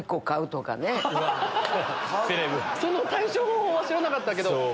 その対処方法は知らなかったけど。